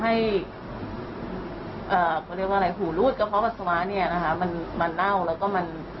ให้หูรุดกระเพาะผัสสาวะมันเน่าแล้วก็มัน